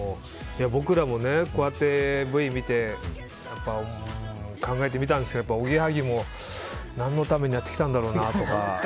僕らもこうやってＶを見て、考えてみたんですけどおぎやはぎも何のためにやってきたんだろうなとか。